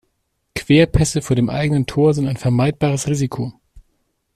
Querpässe vor dem eigenen Tor sind ein vermeidbares Risiko.